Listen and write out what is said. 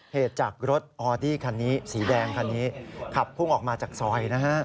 เหตุจากรถออดี้คันนี้สีแดงคันนี้ขับพุ่งออกมาจากซอยนะฮะ